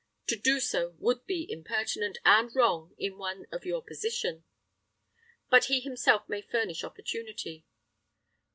To do so would be impertinent and wrong in one of your position; but he himself may furnish opportunity.